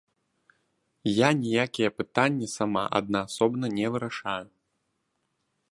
Я ніякія пытанні сама аднаасобна не вырашаю.